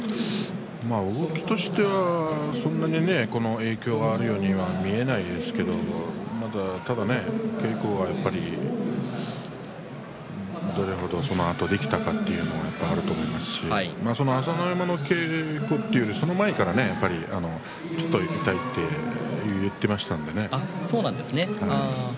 動きとしては、そんなに影響があるようには見えないですけれどただ稽古はやっぱりどれ程そのあとできたのかというのがありますし朝乃山の稽古というよりもその前からちょっと痛いとそうなんですね。